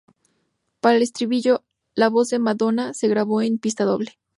Para el estribillo, la voz de Madonna se grabó en pista doble.